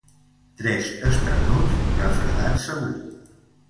Tres esternuts, refredat segur.